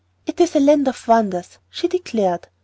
"It is a land of wonders," she declared.